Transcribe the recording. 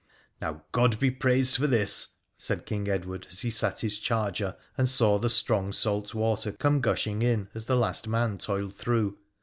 ' Now, God be praised for this !' said King Edward, as he sat his charger and saw the strong salt water come gushing in as the last man toiled through.